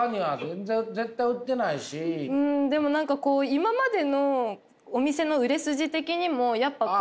うんでも今までのお店の売れ筋的にもやっぱ。